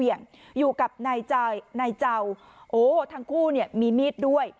อยู่กับนายเจ้าทั้งคู่มีมีดด้วย